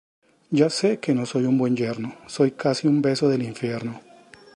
Ya sé que no soy un buen yerno, soy casi un beso del infierno.